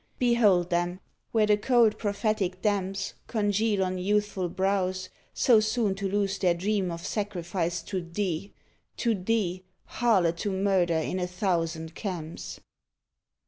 Behold them, where the cold, prophetic damps Congeal on youthful brows so soon to lose Their dream of sacrifice to thee to thee, Harlot to Murder in a thousand camps!